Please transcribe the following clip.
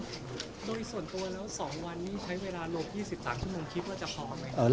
โดยส่วนตัวแล้ว๒วันนี้ใช้เวลาโลก๒๐ต่างชั่วโมงคิดว่าจะพอไหม